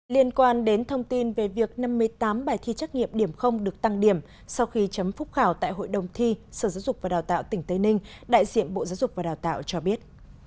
liên quan đến thông tin về việc năm mươi tám bài thi trắc nghiệm điểm được tăng điểm sau khi chấm phúc khảo tại hội đồng thi sở giáo dục và đào tạo tỉnh tây ninh đại diện bộ giáo dục và đào tạo cho biết